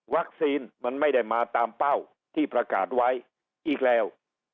มันไม่ได้มาตามเป้าที่ประกาศไว้อีกแล้ว